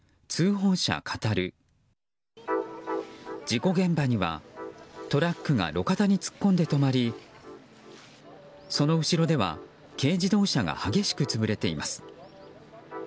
事故現場にはトラックが路肩に突っ込んで止まりその後ろでは軽自動車が激しく潰れています。